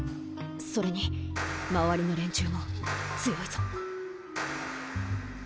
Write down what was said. それに周りの連中も強いぞ。